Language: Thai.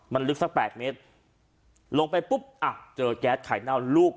มันลึกสัก๘เมตรลงไปปุ๊บอ่ะเจอแก๊สไข่เน่าลูก